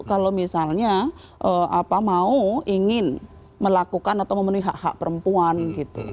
kalau misalnya mau ingin melakukan atau memenuhi hak hak perempuan gitu